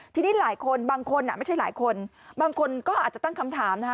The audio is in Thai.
ทีนี้หลายคนบางคนไม่ใช่หลายคนบางคนก็อาจจะตั้งคำถามนะคะ